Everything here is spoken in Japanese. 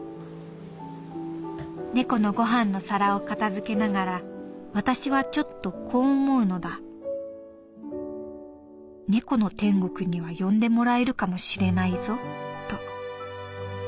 「猫のごはんの皿を片付けながら私はちょっとこう思うのだ猫の天国には呼んでもらえるかもしれないぞと。